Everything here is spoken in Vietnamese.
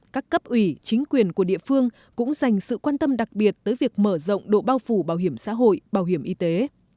các cấp ủy chính quyền của địa phương cũng dành sự quan tâm đặc biệt tới việc mở rộng độ bao phủ bảo hiểm xã hội bảo hiểm y tế